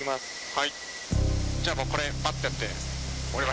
はい。